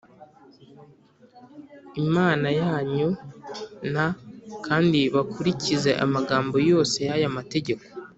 Imana yanyu n kandi bakurikize amagambo yose y aya mategeko